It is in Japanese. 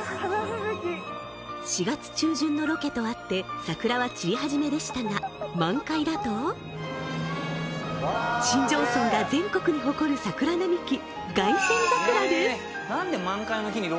ふぶき４月中旬のロケとあって桜は散り始めでしたが満開だと新庄村が全国に誇る桜並木がいせん桜です